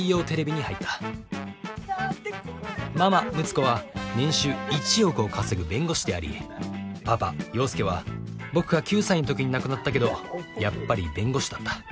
ママ陸子は年収１億を稼ぐ弁護士でありパパ陽介は僕が９歳のときに亡くなったけどやっぱり弁護士だった。